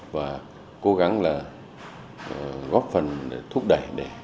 và cố gắng là góp phần để thúc đẩy